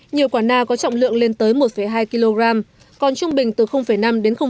nhiều quả na có trọng lượng lên tới một hai kg còn trung bình từ năm đến tám kg